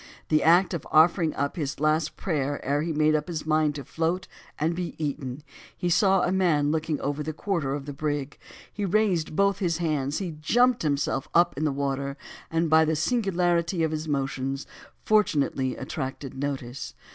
In the act of offering up his last prayer ere he made up his mind to float and be eaten, he saw a man looking over the quarter of the brig; he raised both his hands, he jumped himself up in the water, and by the singularity of his motions, fortunately attracted notice.